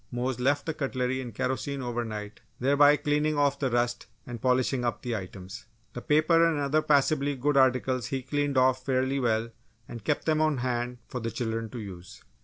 Mose left the cutlery in kerosene over night thereby cleaning off the rust and polishing up the items. The paper and other passably good articles he cleaned off fairly well and kept them on hand for the children to use.